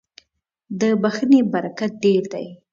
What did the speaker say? • د بښنې برکت ډېر دی.